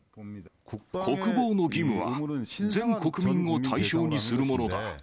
国防の義務は、全国民を対象にするものだ。